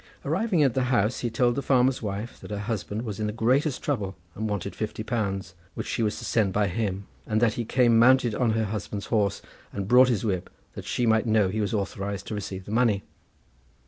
Arriving at the house he told the farmer's wife that her husband was in the greatest trouble, and wanted fifty pounds, which she was to send by him, and that he came mounted on her husband's horse, and brought his whip, that she might know he was authorised to receive the money.